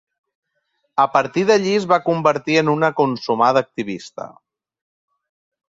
A partir d'allí es va convertir en una consumada activista.